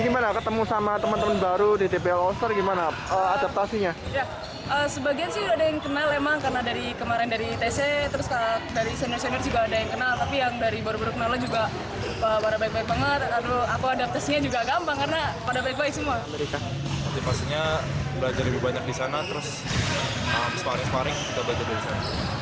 belajar lebih banyak di sana terus separing separing kita belajar dari sana